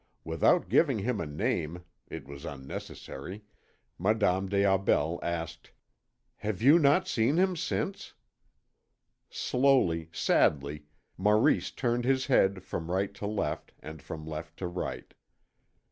Without giving him a name (it was unnecessary) Madame des Aubels asked: "You have not seen him since?" Slowly, sadly, Maurice turned his head from right to left, and from left to right.